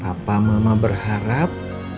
apa mama berharap